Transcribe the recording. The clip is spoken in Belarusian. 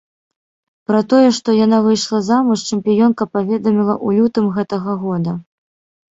Пра тое, што яна выйшла замуж, чэмпіёнка паведаміла ў лютым гэтага года.